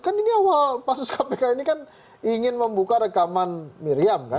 kan ini awal pansus kpk ini kan ingin membuka rekaman miriam kan